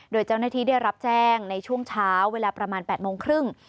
โดยเจ้าหน้าที่ได้รับแจ้งในช่วงเช้าเวลาประมาณ๘โมงครึ่ง